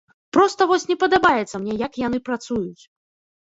Проста вось не падабаецца мне, як яны працуюць.